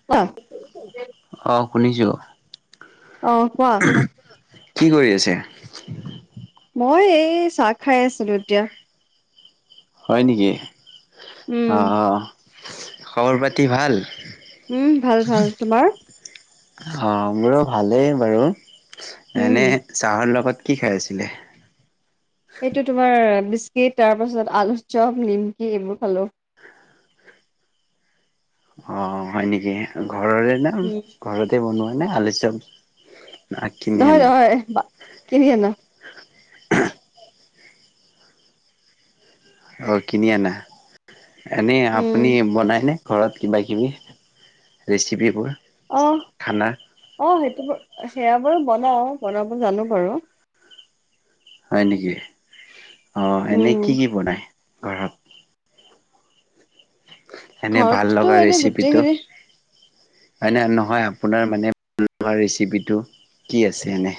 [unintelligible] অ, শুনিছো। অ, কোৱা। কি কৰি আছে? মই এই চাহ খাই আছিলো, এতিয়া। হয় নেকি, উম অ, অ, খবৰ পাতি ভাল? উম, ভাল ভাল তোমাৰ? অ, মোৰো ভালেই বাৰু, উম এনে চাহৰ লগত কি খাই আছিলে? সেইটো তোমাৰ বিস্কিট, তাৰ পাছত আলু চপ, নিমকি এইবোৰ খালো। অ, হয় নেকি? ঘৰৰে ন উম ঘৰতে বনোৱা নাই আলু চপ। না কিনি আনিলে নহয়-নহয় কিনি আনা। অ, কিনি আনা এনেই উম আপুনি বনাইনে? ঘৰত কিবা কিবি ৰেচিপিবোৰ। অহ, খানা অ, সেইটো ব, সেয়া বাৰু বনাও বনাব জানো বাৰু। হয় নেকি অ, এনেই উম কি কি বনায় ঘৰত? এনে ভাল ঘৰততো লগা এনে ৰেচিপিটো। গোটেইখিনি হয়নে, নহয় আপোনাৰ ভাল লগা ৰেচিপিটো কি আছে। এনে।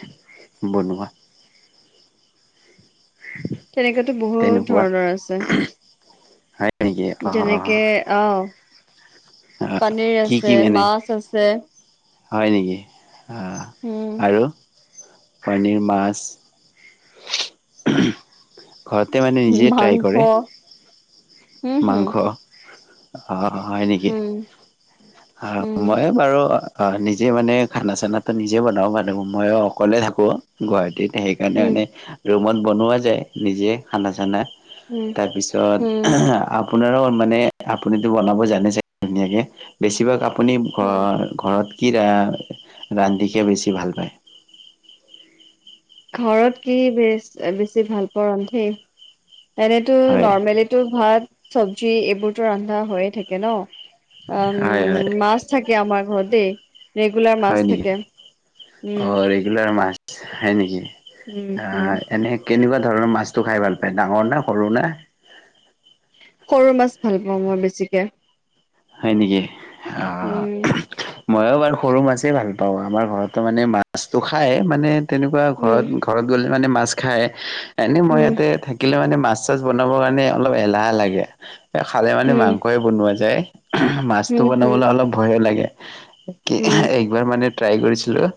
বনোৱা। [inaudible] তেনেকাতো বহুত তেনেকুৱা ধৰণৰ আছে। হয় নেকি অ যেনেকে আহ পনীৰ কি কি আছে, এনে মাছ আছে। হয় নেকি? উম আৰু পনীৰ, মাছ। ঘৰতে মানে নিজে ট্ৰাই মাংস কৰে। উম হম মাংস অ, হয় নেকি? উম উম। মই বাৰু নিজে মানে খানা চানাটো নিজে বনাওঁ মানুহ ময় অকলে থাকোঁ। গুৱাহাটীত সেইকাৰণে উম, মানে ৰুমত বনোৱা যায় নিজে খানা চানা। উম, তাৰপিছত উম, আ আপোনাৰ মানে আপুনি বনাব জানিছেই ধুনীয়া কৰে বেছি ভাগ। আপুনি ঘ, উম। ঘৰত কি ৰান্ধি খেই বেছি ভাল পায়। ঘৰত কি বে, বেছি ভাল পাৱা ৰন্ধেই এনেতো হয় নৰ্মেলিত ভাত চবজি এইবোৰতো ৰন্ধা হৈয়ে থাকে ন, অ, হয় হয় মাছ। মা, থাকে আমাৰ ঘৰ দেই। ৰেগুলাৰ মাছ হয় নেকি? থাকে। উম, অ, ৰেগুলাৰ মাছ। ছ খাই নেকি উম, উম। আহ, এনে। কেনেকুৱা ধৰণৰ মাছটো খাই ভাল পায়। ডাঙৰ না সৰু না? সৰু মাছ ভাল পাওঁ মই বেছিকে। হয় নেকি? অ, উম, মইো বাৰ সৰু মাছেই ভাল পা ও আমাৰ ঘৰতো মানে মাছটো খায় মানে তেনেকুৱা উম, ঘৰত। ঘৰত গ'লে মানে মাছ খায় এনে মই উম, ইয়াতে থা শিকিলে মানে মাছ চাছ বনাবৰ কাৰণে অলপ এলাহা লাগে, খালে মানে উম, মাংসই বনোৱা যায়। মাছতটো উম, হুম। বনাবলৈ অলপ ভয়ো লাগে কি। উম, এবাৰ মানে ট্ৰাই কৰিছিলো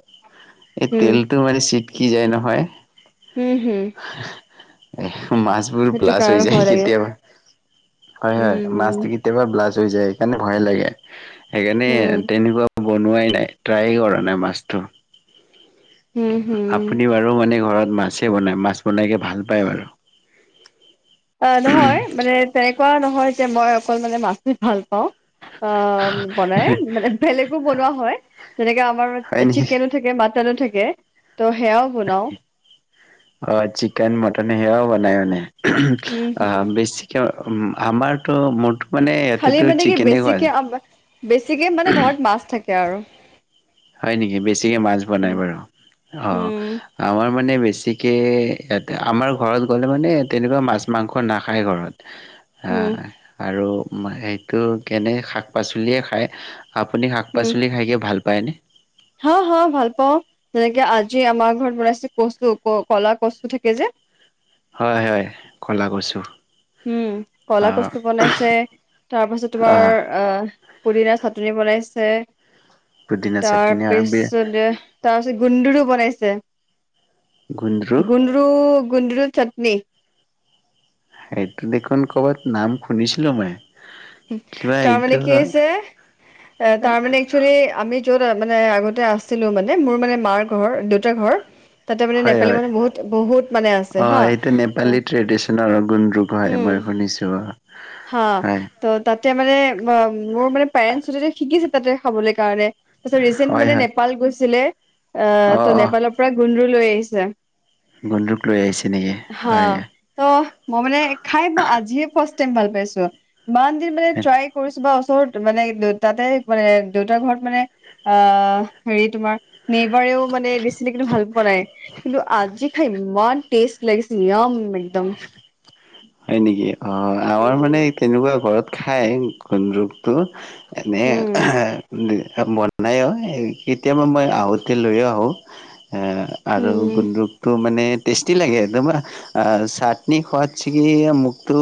এই হুম, তেলটো মানে চিটকি যায় নহয়। উম, হয়। এ, মাছ। ছ, বাল্লছ হৈ কাৰণে যায় ভয় লাগে। কেতিয়াবা হয় হয় মাছটো উম, কেতিয়াবা ব্লাষ্ট হৈ যায় সেইকাৰণে ভয় লাগে, সেইকাৰণে হুম, তেনেকুৱা বনোৱাই নাই মানে টাৰই ই কৰা নাই মাছটো, হুম, হুম। আপোনি বাৰু। আৰু মানে ঘৰত মাছে বনায় মাছ বনাইকৈ ভাল পায় বাৰু। অ' নহয় মানে তেনেকুৱা নহয় যে মই অকল মানে মাচি ভাল পাওঁ। অ' বনাই মানে বেলেগো বনোৱা হয় যেনেকে আমাৰ হয় নেকি? চিকেনত থাকে মাতানো থাকে ত' সেয়াও বনাও। অ' চিকন মটন সেই আ বনাই মানে। উম, হুম। বেছিকৈ আমাৰতো মোৰ খালি মানে কি বেছিকে বেছিকে মানে ঘৰত মাছ থাকে আৰু। হয় নেকি বেছিকে মাছ বনাই উম, বাৰু উম, অ' আমাৰ মানে বেছিকে ইয়াতে আমাৰ ঘৰত গ'লে মানে তেনেকুৱা মাছ মাংস নাখায় ঘৰত। [inaudible] আৰু সেইটো কেনে শাক পাচলিয়ে খায়। আপুনি শাক উম পাচলি খাইকে ভাল পায়নে? হা হা ভাল পাওঁ যেনেকে আজি আমাৰ ঘৰত বনাইছে কচু ক কলা কচু থাকে যে হয় হয় ক'লা কছোঁ। উম, ক'লা কস্তু বনাইছে তাৰ পাছত অ তোমাৰ আহ পুদিনা চাটনি বনাইছে পুদিনা তাৰ চাটনি আৰু পিছত তাৰপিছত গুন্দুৰো বনাইছে গুন্দৰু গুন্দৰো গুন্দৰ চাটনি। সেইটো দেখোন কৰ'ৰবাত নাম শুনিছিলো মই। কিবা এইটো তাৰমানে কি হৈছে তাৰ মমানে একচেলি আমি য'ত মানে আগতে আছিলো মানে মোৰ মানে মাৰ ঘৰ দেউতা ঘৰ তাতে মানে হয় নেপালী হয় মানুহ বহুত বহুত মানে আছে অ হা এইটো ত' নেপালী ট্ৰেডিচনৰ গুন্দৰুক হয় উম মই শুনিছোঁ। হা ত' তাতে মানে মোৰ মানে পেৰেন্টছ শিকিছে তাতে খাবলৈ কাৰণে তাৰপিছত ৰিচেন্ট হয় মানে হয় নেপাল গৈছিলে আহ অ ত' নেপালৰ পৰা গুন্দ্ৰৰু লৈ আহিছে। গন্দুক লৈ আহিছে নেকি হা হয়। ত মই মানে খাই আজি হে ফাৰ্ষ্ট টাইম ভাল পাইছোঁ ইমান দিন ট্ৰী কৰিছো বা ওচৰত মানে তাতে মানে দেউতাৰ ঘৰত মানে আহ হেৰি তোমাৰ নেইবাৰেও মানেচি কিন্তু ভাল পোৱা নাই। কিন্তু আজি খাই ইমান টেষ্ট লাগিছিল ইম একদম। হয় নেকি অ' আমাৰ উম মানে তেনেকুৱা ঘৰত খাই গুন্দুকটো এনে উম বনাই কেতিয়াবা মই আহোঁতে লৈ আহোঁ। এ আৰু উম গুন্দুকটো মানে টেষ্টি লাগে একদম চাটনি সোৱাদ ছিগি মোকটো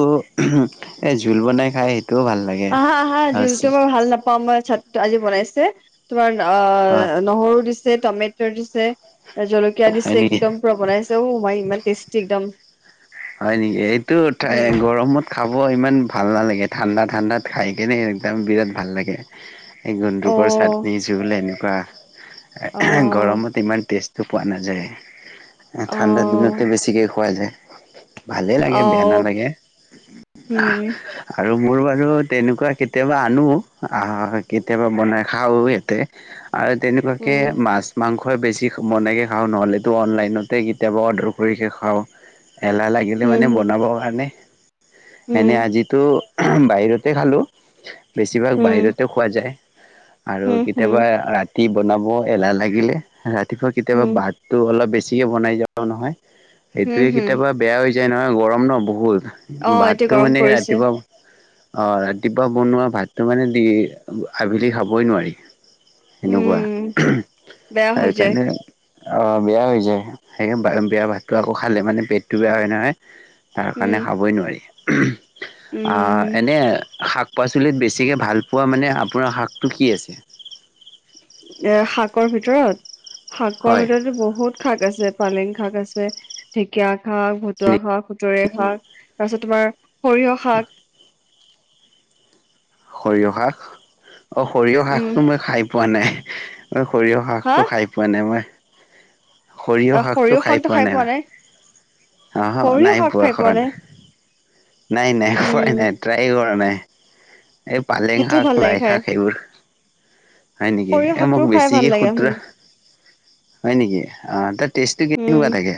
এই জোল বনাই খাই সেইটোও ভাল লাগে অহা হা অ যিত মই ভাল নাপাওঁমই আজি বনাইছে তোমাৰ আ নহৰু দিছে টমেটৰ দিছে জলকীয়া হয় দিছে নেকি একদম পুৰা বনাইছে ঔ মই ইমান টেষ্টি একদম। হয় নেকি এইটো উম গৰমত খাব ইমান ভাল নালাগে ঠাণ্ডা ঠাণ্ডাত খাই কেনে একদম বিৰাট ভাল লাগে। এই গুন্দুকৰ অ চাটনি জোল এনেকুৱা অ গৰমত ইমান তেজটো পোৱা নাযায় অ ঠাণ্ডা দিনততে বেছিকে খোৱা যায়। ভালে লাগে বেয়া নালাগে আহ। উম আৰু মোৰ বাৰু তেনেকুৱা কেতিয়াবা আনো কেতিয়াবা বনাই খাওঁ ইয়াতে। আৰু তেনেকুৱাকে উম মাছ মাংসই বেছি বনাইকৈ খাওঁ নহ'লেতো অনলাইনতে কেতিয়াবা অৰ্ডাৰ কৰিকৈ খাওঁ এাহ খেলে উম মানে বনাবৰ কাৰণে এনেই উম আজিতো বাহিৰতে খালোঁ বেছিভাগ উম বাহিৰতে খোৱা যায়। আৰু উম কেতিয়াবা হুম ৰাতি বনাব এলাহ লাগিলে ৰাতি কেতিয়াবা উম বাতটো অলপ বেছিকে বনাই যাও নহয় হুম সেইটোয়ে হুম কেতিয়াবা বেয়া যে নহয় গৰম ন অ বহুত এতিয়া ভাতটো গৰম মানে পৰিছে ৰাতিপুৱা অ' ৰাতিপুৱা বনোৱা ভাতটো মানে দি আভেলি খাবই নোৱাৰি। এনেকুৱা উম স বেয়া হৈ যায় সেইকাৰণে অ বেয়া হৈ যায় সে বেয়া ভাতটো আকৌ খালে মানে পেটটো বেয়া হয় নহয় তাৰ কাৰণে উম খাবই নোৱাৰি উম অহ এনে শাক শাক পাচলিত বেছিকৈ ভাল পোৱা মানে আপোনাৰ শাকটো কি আছে এ শাকৰ ভিতৰত শাকৰ হয় ভিতৰতো বহুত শাক আছে পালেং শাক আছে ঢেকীয়া শাক ভতুৱা শাক খুতৰে শাক তাৰপিছত তোমাৰ সৰিয়হ শাক সৰিয়হ শাক অ সৰিয়হ উম শাকতটো মই খাই পোৱা নাই সৰিয়হ হা হাকটো খাই পোৱা নাই মই সৰিয়হ শাকটো খাই পোৱা নাই অ সৰিয়হ নাই শাক বোৱা খাই পোৱা খোৱাদ নাই নাই নাই উম পোৱাই নাই ট্ৰাই কৰা নাই এই পালেং সেইটোও শাক ভাল লাগে লাই খাই শাক এইবোৰ হয় নেকি সৰিয়হ এ শাকটো মোক খাই ভাল বেছিকে লাগে উম খ্ষুত্ৰ হয় নেকি অ ত ষ্টটো কে কেনেকুৱা উম থাকে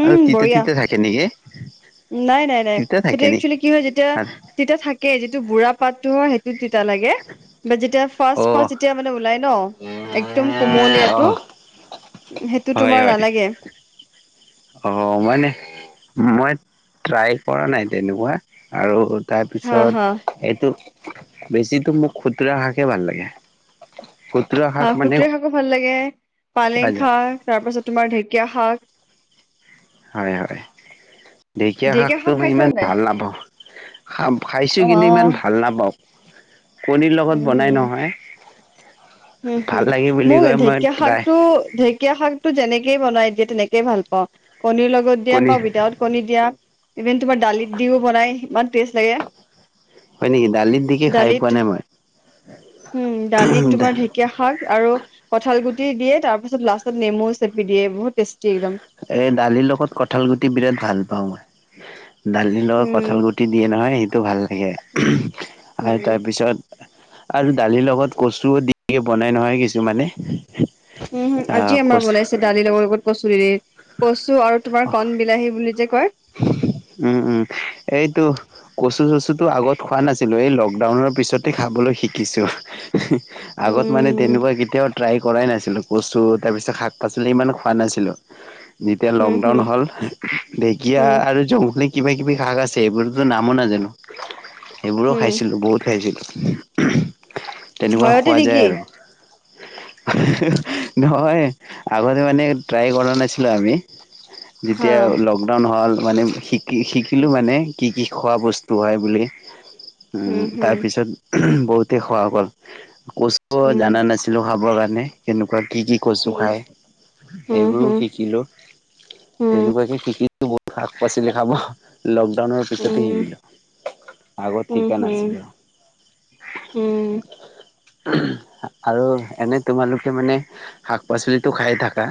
উম আৰু তে বঢ়িয়া তিতে থাকে নেকি নাই নাই নাই তিতা সেইটো থাকে নেকি একচোৱেলি কি হয় যেতিয়া তেতিয়া থাকে যিটো বুঢ়া পাতটো হয়েই তি লাগে বা যেতিয়া ফাৰ্ষ অ পাতিয়া মানে ওলাই ন একদম অ কুমলীয়াটো সেইটো তোমাৰ নালাগে অঁ মানে মই ট্ৰাই কৰা নাই তেনেকুৱা আৰু হা হা তাৰপিছত এইটো বেছিো মোক খুতুৰা শ্ৰাকে ভাল লাগে খুতুৰা হা শাক মানে সুতৰে শাকো ভাল লাগে খোৱা পালেং যায় শাক তাৰ পাছত তোমাৰ ঢেকীয়া শাক হয় হয় ঢেকীয়া শাকটো শাক মই খাইছা ইমান নে নাই ভাল নাপওঁ খ খাইছো অ অ কিন্তু ইমান ভাল নাপাওঁ কণীৰ লগত উম বনাই হম নহয় উম ভাল লাগে হুম বুলি মোৰ কয় মই ঢেকীয়া শাক ট্ৰাই টো ঢেকীয়া শাক টো যেনেকে বনাই দিয়ে তেনেকে ভাল পাওঁ কণীৰ লগত দিয়া কণী বা উইাউট কণী দিয়া ইভিন তোমাৰ দালিত দিও বনাই ইমান টেষ্ট লাগে হয় নেকি দালিত দি কি খাই পোৱা দালিত নাই মই উম দালিত তোমাৰ ধে ধেকীয়া শাক আৰু কঁঠাল গুটি দিয়ে তাৰপিছত লাষ্টত নেমু চেপি দিয়ে বহুত টেষ্টি একদম এই দালিৰ লগত কঠাল গুটি বিৰাট ভাল পাওঁ মই দালি লগত উম কঠল গুটি দিয়ে নহয় সেইটো ভাল লাগে উম আৰু উম তাৰপিছত আৰু দালিৰ লগত কচুও দিে বনাই নহয় কিছুমানে উম হম আহ আজি আমাৰ কচু বনাইছে দালি লগৰ লগত কচুৰিৰে কচু আৰু তোমাৰ কন বিলাহী বুলি যে কয় উম উম এইটো কচু চচুটোো আগত খোৱা নাছিলো এই লকডাউনৰ পিছতে খাবলৈ শিকিছো আগত মানে উম তেনেকুৱা কেতিয়াও ট্ৰাই কৰাই নাছিলোঁ কচু তাৰ পিছত শাক পাচলি ইমান খোৱা নাছিলো যেতিয়া হম লকডাউন হম হল কিয়া হম আৰু জংঘল কিবা কিবি কষ আছে সেইবোৰতো নামো নাজানো সেইবোৰো হম খাইছিলো বহুত খাইছিলো তেনেকুৱা ভয়তে খোৱা যায় নেকি আৰু [unintelligible] নহয় আগতে মানে ট্ৰাই কৰা নাছিলো আমি হা যেতিয়া লকডাউন হল মানে শিকি শিকিলো মানে কি কি খোৱা বস্তু উম হম ব অ জানা নাছিলো খাবৰ কাৰণে কেনেকুৱা কি কি কচু খাই সেইবোৰো শিকিলোঁ তেনেকুৱাকে শ শাক পাচলি খাব লকডাউনৰ পিছতে সিল উম, আগৰ ঠিকা নাছিলো উম আৰু এনে তোমালোকে মানে শাক পাচলিটো খাই থাকা?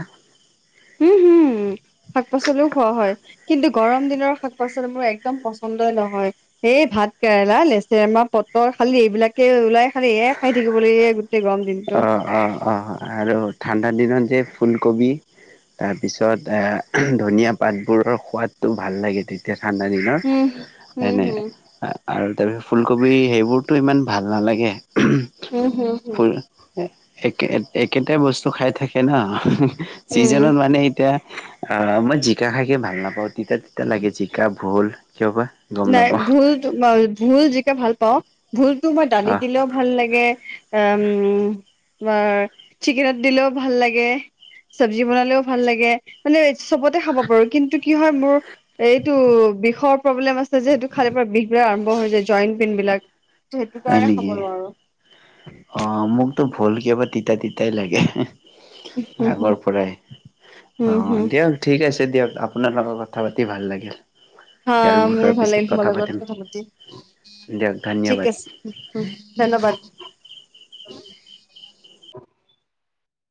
উম হুম উম শাক পাচলিও খোৱা হয়। কিন্তু গৰম দিনৰ শাক পাচলি মোৰ একদম পচন্দই নহয়। এই ভাত কেৰেলা, লেচেৰামাহ, পটল খালি এইবিলাকে ওলাই, খালি এইয়ি খাই থাকিব লাগিব গোটেই গৰম দিন। অঁ অঁ অঁ আৰু ঠাণ্ডা দিনত যে ফুলকবি তাৰপিছত এ ধনিয়া পাতবোৰৰ সোৱাদটো ভাল লাগে, তে তিয়া ঠিণ্ডাত, উম হম এনে হম আৰু তাৰপিছত ফুলকবি সেইবোৰতো ইমান ভাল নালাগে। উম হুম হুম। ফুল একে একেটাই বস্তু খাই থাকে ন উম চিজনত মানে, এতিয়া অ' মই জিকা খাইকে ভাল নাপাওঁ তিতা তিতা লাগে, জিকা ভোল কিয় বা। গম নাই নাপাওঁ ভোলটো ভোল জিকা ভাল পাওঁ, ভোলতো মই অ দালিত দিলেওঁ ভাল লাগে, উম তোমাৰ চিকেনত দিলেওঁ ভাল লাগে চব্জি বনালেওঁ ভাল লাগে মানে চবতে খাব পাৰো, কিন্তু কি হয় মোৰ এইটো বিষৰ প্ৰব্লেম আ ছে যে হেইতু খালে পুৰা বিষবিলক আৰম্ভ হৈ যায়, জইণ্ট পেইন বিলাক। সেইটো হয় কাৰণে খাব নেকি? নোৱাৰো অ' মোকতো ভোল কিয় বা তিতা তিতাই লাগে? উম হম আগৰ পৰাই, উম অ' হম দিয়া। ঠিক আছে দিয়ক, আপোনাল লগত কথা পাতি ভাল লাগিল। হা ইয়াৰ মোৰো বিষয়ে ভাল পিছত লাগিল তোমাৰ পাতিম লগত কথা পাতি, দিয়ক ধন্যবাদ ঠিক আছে। উম ধন্যবাদ।